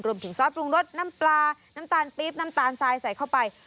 ซอสปรุงรสน้ำปลาน้ำตาลปี๊บน้ำตาลทรายใส่เข้าไป